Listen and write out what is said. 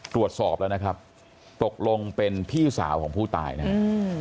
ตรวจสอบแล้วนะครับตกลงเป็นพี่สาวของผู้ตายนะครับ